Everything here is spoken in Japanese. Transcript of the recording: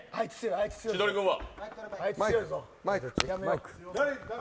千鳥軍は。